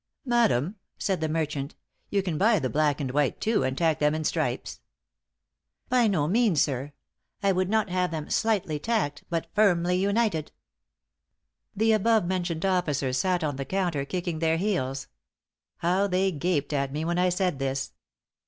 "'Madam,' said the merchant, 'you can buy the black and white too, and tack them in stripes.' "'By no means, sir; I would not have them slightly tacked, but firmly united.' The above mentioned officers sat on the counter kicking their heels. How they gaped at me when I said this!